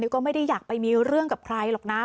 ก็ไม่ได้อยากไปมีเรื่องกับใครหรอกนะ